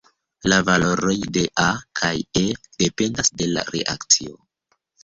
La valoroj de "A" kaj "E" dependas de la reakcio.